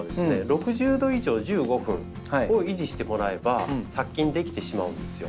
６０度以上１５分を維持してもらえば殺菌できてしまうんですよ。